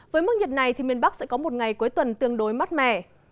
với mức nhiệt này thì miền bắc sẽ có một ngày cuối tuần tương đối mát mẻ